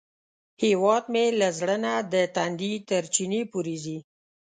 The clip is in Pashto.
هیواد مې له زړه نه د تندي تر چینې پورې ځي